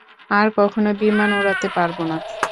আর কখনো বিমান উড়াতে পারবো না।